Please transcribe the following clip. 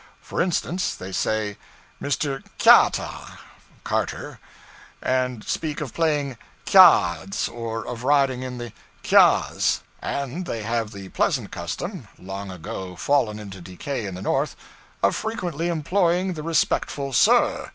For instance, they say Mr. K'yahtah (Carter) and speak of playing k'yahds or of riding in the k'yahs. And they have the pleasant custom long ago fallen into decay in the North of frequently employing the respectful 'Sir.'